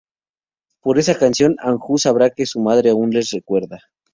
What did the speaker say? Por esa canción, Anju sabrá que su madre aún les recuerda.